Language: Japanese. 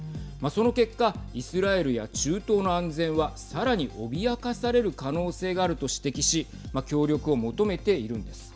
その結果イスラエルや中東の安全はさらに脅かされる可能性があると指摘し協力を求めているんです。